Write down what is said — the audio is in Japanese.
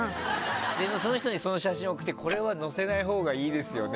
その人には、その写真を送ってこれは載せないほうがいいですよね？